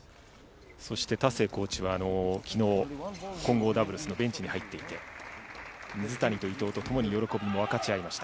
そして田勢コーチは、きのう、混合ダブルスのベンチに入っていて、水谷と伊藤と共に喜びも分かち合いました。